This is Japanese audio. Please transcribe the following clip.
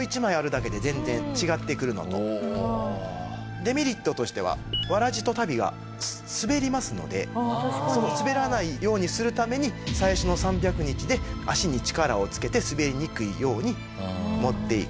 デメリットとしては草鞋と足袋が滑りますので滑らないようにするために最初の３００日で足に力をつけて滑りにくいように持っていく。